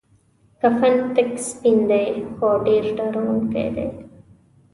کفن تک سپین دی خو ډیر ډارونکی دی.